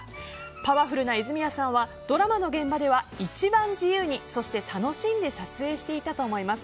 パワフルな泉谷さんはドラマの現場では一番自由にそして楽しんで撮影していたと思います。